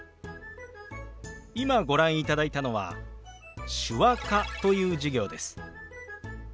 今ご覧いただいたのは手話科という授業です。